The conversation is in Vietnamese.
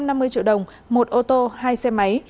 hai trăm năm mươi triệu đồng một ô tô hai xe máy